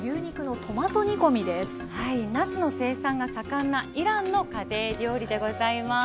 なすの生産が盛んなイランの家庭料理でございます。